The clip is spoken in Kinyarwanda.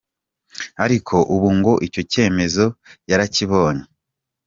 Ariko ubu ngo icyo cyemezo yarakibonye.